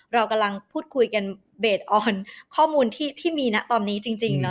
เรากำลังพูดคุยกันเรียน่าข้อมูลที่มีตอนนี้จริงเนอะ